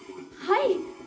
はい。